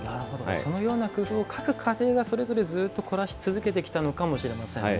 そのような工夫を各家庭がそれぞれずっと凝らし続けてきたのかもしれませんね。